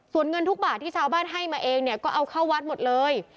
ส่วนเงินทุกบาทที่ชาวบ้านให้มาเองเนี่ยก็เอาเข้าวัดหมดเลย